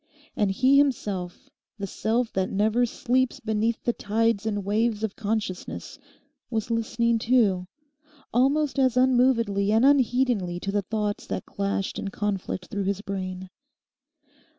And he himself, the self that never sleeps beneath the tides and waves of consciousness, was listening, too, almost as unmovedly and unheedingly to the thoughts that clashed in conflict through his brain.